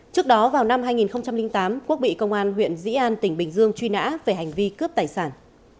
trước đó vào năm hai nghìn tám quốc bị công an huyện dĩ an tỉnh bình dương truy nã về hành vi cướp tài sản